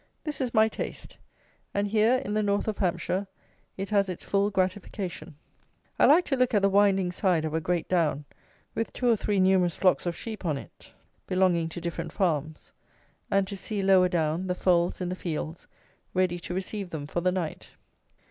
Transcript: This is my taste, and here, in the north of Hampshire, it has its full gratification. I like to look at the winding side of a great down, with two or three numerous flocks of sheep on it, belonging to different farms; and to see, lower down, the folds, in the fields, ready to receive them for the night.